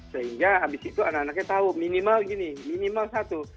sehingga habis itu anak anaknya tahu minimal gini minimal satu